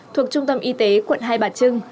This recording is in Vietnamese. thuộc trung tâm y tế quận hai bà trưng